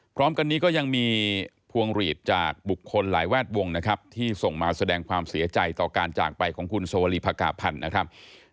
พร้อมกันนี้ก็ยังมีพวงหลีดจากบุคคลหลายแวดวงนะครับที่ส่งมาแสดงความเสียใจต่อการจากไปของคุณสวรีภากาพันธ์นะครับ